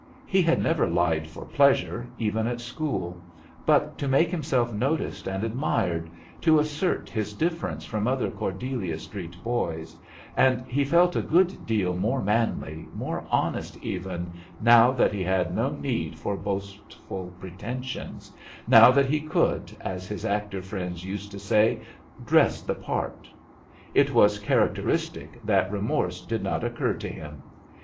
He had never lied for pleasure, even at school; but to make himself noticed and admired, to assert his difference from other Cordelia Street boys; and he felt a good deal more manly, more honest, even, now that he had no need for boastful pretensions, now that he could, as his actor friends used to say, "dress the part." It was characteristic that remorse did not occur to him.